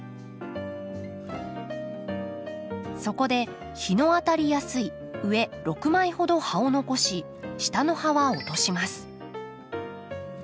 そこで日の当たりやすい上６枚ほど葉を残し下の葉は落とします。